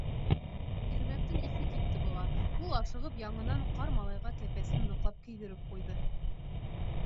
Ирмәктең иҫе китте быға, ул ашығып яңынан ҡар малайға кәпәсен ныҡлап кейҙереп ҡуйҙы.